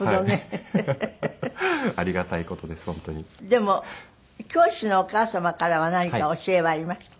でも教師のお母様からは何か教えはありました？